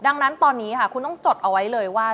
ดังนั้นตอนนี้ค่ะคุณต้องจดเอาไว้เลยว่า